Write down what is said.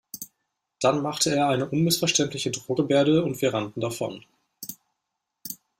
Dann machte er eine unmissverständliche Drohgebärde und wir rannten davon.